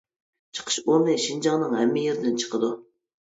چىقىش ئورنى شىنجاڭنىڭ ھەممە يېرىدىن چىقىدۇ.